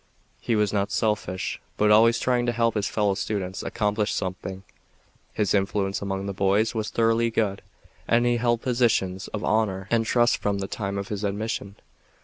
He was not selfish, but always trying to help his fellow students accomplish something. His influence among the boys was thoroughly good, and he held positions of honor and trust from the time of his admission."